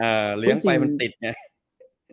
เอ่อเลี้ยงไปมันติดเนี่ย